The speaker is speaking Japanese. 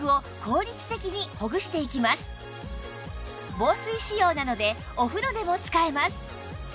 防水仕様なのでお風呂でも使えます